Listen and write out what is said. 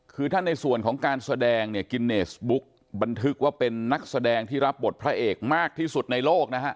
คือถ้าในส่วนของการแสดงเนี่ยกินเนสบุ๊กบันทึกว่าเป็นนักแสดงที่รับบทพระเอกมากที่สุดในโลกนะฮะ